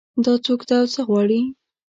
دا څوک ده او څه غواړي